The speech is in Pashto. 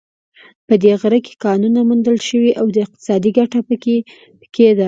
په دې غره کې کانونو موندل شوې او اقتصادي ګټه په کې ده